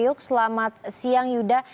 tanjung priuk selamat siang yuda